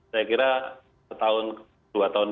saya kira setahun dua tahun